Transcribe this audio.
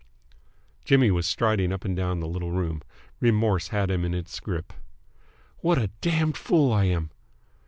Jimmy was striding up and down the little room. Remorse had him in its grip. "What a damned fool I am!"